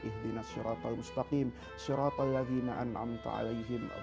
ihdina syaratul mustaqim syaratul lazeena an'amta alaihim